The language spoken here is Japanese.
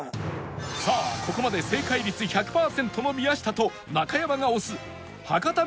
さあここまで正解率１００パーセントの宮下と中山が推す博多